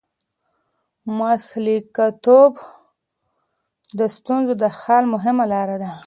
مسلکیتوب د ستونزو د حل مهمه لار ده.